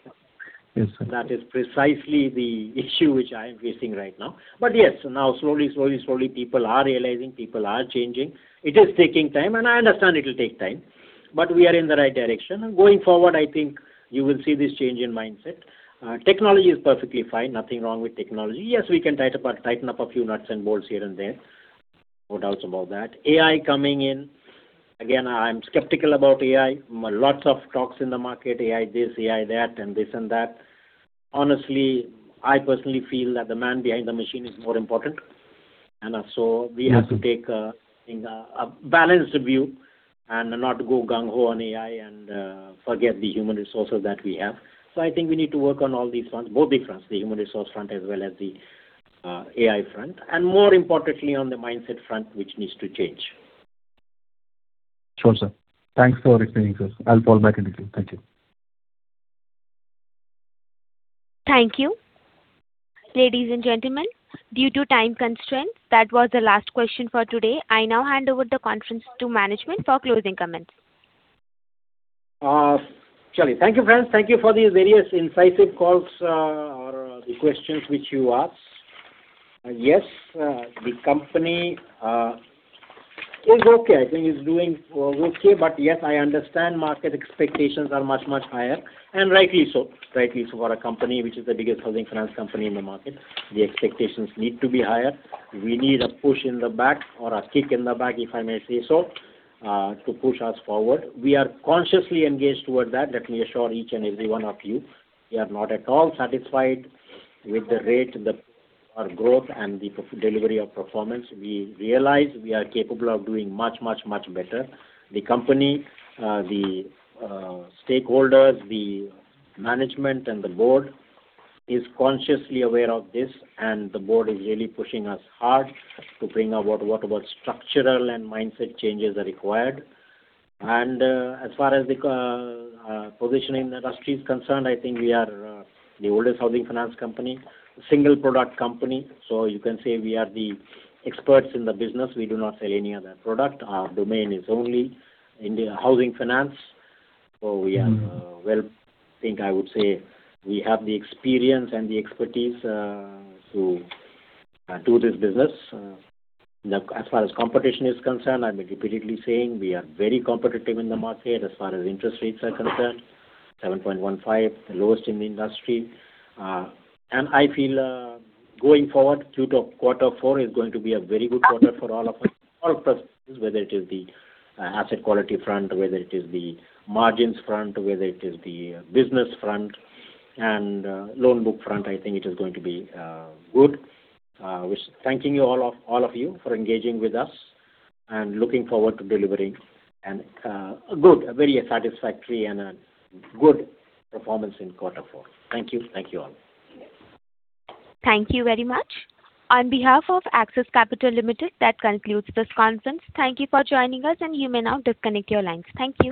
Speaker 11: Yes, sir.
Speaker 3: That is precisely the issue which I am facing right now. But yes, now slowly, slowly, slowly, people are realizing. People are changing. It is taking time. And I understand it will take time. But we are in the right direction. And going forward, I think you will see this change in mindset. Technology is perfectly fine. Nothing wrong with technology. Yes, we can tighten up a few nuts and bolts here and there. No doubts about that. AI coming in. Again, I'm skeptical about AI. Lots of talks in the market, AI this, AI that, and this and that. Honestly, I personally feel that the man behind the machine is more important. So we have to take a balanced view and not go gung-ho on AI and forget the human resources that we have. So I think we need to work on all these fronts, both the human resource front as well as the AI front, and more importantly, on the mindset front, which needs to change.
Speaker 11: Sure, sir. Thanks for explaining this. I'll fall back in the queue. Thank you.
Speaker 1: Thank you. Ladies and gentlemen, due to time constraints, that was the last question for today. I now hand over the conference to management for closing comments.
Speaker 3: Shailesh, thank you, friends. Thank you for the various incisive calls or the questions which you asked. Yes, the company is okay. I think it's doing okay. But yes, I understand market expectations are much, much higher. And rightly so. Rightly so for a company which is the biggest housing finance company in the market. The expectations need to be higher. We need a push in the back or a kick in the back, if I may say so, to push us forward. We are consciously engaged toward that. Let me assure each and every one of you, we are not at all satisfied with the rate, the growth, and the delivery of performance. We realize we are capable of doing much, much, much better. The company, the stakeholders, the management, and the board is consciously aware of this. The board is really pushing us hard to bring about whatever structural and mindset changes are required. As far as the position in the industry is concerned, I think we are the oldest housing finance company, single-product company. You can say we are the experts in the business. We do not sell any other product. Our domain is only housing finance. We are well, I think I would say we have the experience and the expertise to do this business. As far as competition is concerned, I've been repeatedly saying we are very competitive in the market as far as interest rates are concerned, 7.15%, the lowest in the industry. I feel going forward, Q4 is going to be a very good quarter for all of us, all prospects, whether it is the asset quality front, whether it is the margins front, whether it is the business front, and loan book front. I think it is going to be good. Thanking all of you for engaging with us and looking forward to delivering a good, very satisfactory, and good performance in Q4. Thank you. Thank you all.
Speaker 1: Thank you very much. On behalf of Axis Capital Limited, that concludes this conference. Thank you for joining us. You may now disconnect your lines. Thank you.